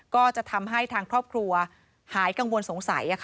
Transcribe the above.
ก็จะทำให้ทางครอบครัวหายกังวลสงสัย